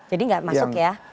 jadi enggak masuk ya